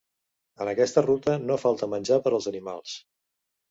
En aquesta ruta no falta menjar per als animals.